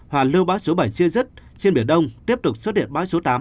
hoạt lưu báo số bảy chia dứt trên biển đông tiếp tục xuất hiện báo số tám